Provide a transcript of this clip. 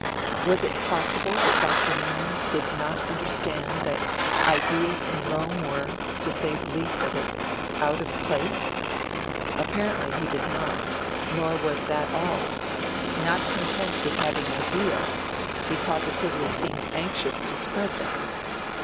Was it possible that Dr. Newman did not understand that ideas in Rome were, to say the least of it, out of place? Apparently, he did not nor was that all; not content with having ideas, he positively seemed anxious to spread them.